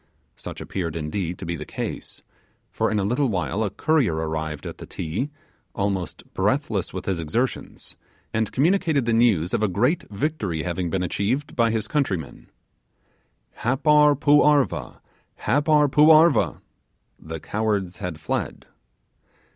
Such appeared, indeed, to be the case, for in a little while a courier arrived at the 'Ti', almost breathless with his exertions, and communicated the news of a great victory having been achieved by his countrymen: 'Happar poo arva! Happar poo arva!' (the cowards had fled).